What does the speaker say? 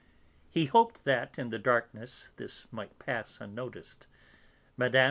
He hoped that, in the darkness, this might pass unnoticed; Mme.